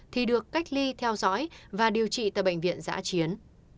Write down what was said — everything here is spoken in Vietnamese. thì được cách ly theo dõi và điều trị tại bệnh viện giã chiến